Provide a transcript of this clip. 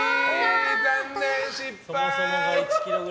残念、失敗！